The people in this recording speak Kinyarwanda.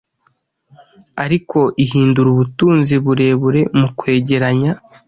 ariko ihinduraUbutunzi burebure mu kwegeranya